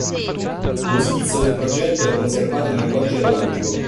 Lo schizzo del progetto è conservato nel Codice Atlantico.